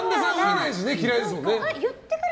占い師嫌いですもんね。